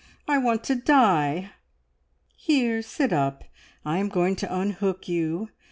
I want to die!" "Here, sit up! I am going to unhook you.